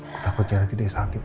aku takut nyaratin dia saat itu